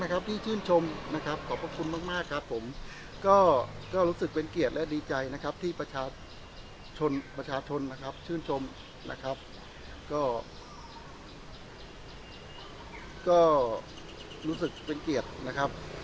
ขอบคุณมากครับผมก็ก็รู้สึกเป็นเกียรติและดีใจนะครับที่ประชาชนประชาชนนะครับชื่นชมนะครับก็ก็รู้สึกเป็นเกียรตินะครับ